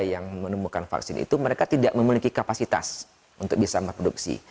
yang menemukan vaksin itu mereka tidak memiliki kapasitas untuk bisa memproduksi